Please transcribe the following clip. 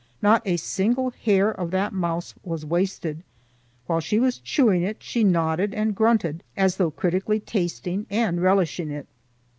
Not a single hair of that mouse was wasted. When she was chewing it she nodded and grunted, as though critically tasting and relishing it.